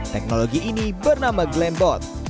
teknologi ini bernama glambot